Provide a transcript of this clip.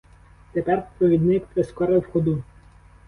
Тепер провідник прискорив ходу.